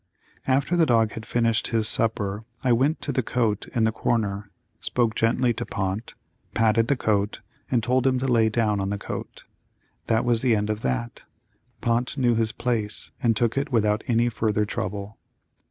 After the dog had finished his supper I went to the coat in the corner, spoke gently to Pont, patted the coat, and told him to lay down on the coat. That was the end of that, Pont knew his place and took it without any further trouble.